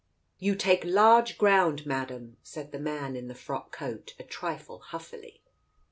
"You take large ground, Madam," said the man in the frock coat, a trifle huffily.